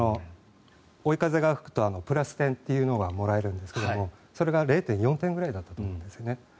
追い風が吹くとプラス点というのがもらえるんですがそれが０．４点ぐらいだったと思うんですよね。